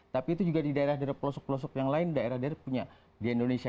tapi itu juga di daerah daerah pelosok pelosok yang lain daerah daerah punya di indonesia